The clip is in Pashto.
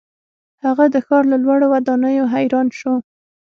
هغه د ښار له لوړو ودانیو حیران شو.